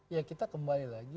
ya kita kembali lagi